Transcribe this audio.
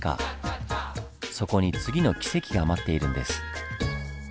そこに次のキセキが待っているんです。